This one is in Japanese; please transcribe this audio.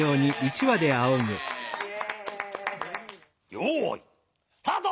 よいスタート！